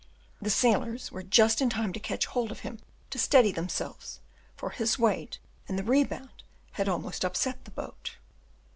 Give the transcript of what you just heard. The sailors were just in time to catch hold of him to steady themselves; for his weight and the rebound had almost upset the boat.